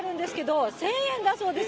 １０００円だそうです。